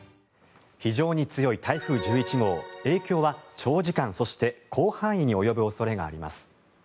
非常に強い台風１１号影響は長時間、そして広範囲に及ぶ恐れがあります。